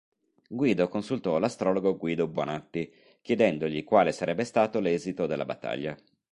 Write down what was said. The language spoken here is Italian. Guido consultò l'astrologo Guido Bonatti, chiedendogli quale sarebbe stato l'esito della battaglia.